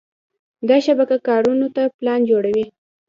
دا شبکه کارونو ته پلان جوړوي.